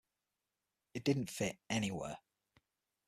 I didn't fit anywhere.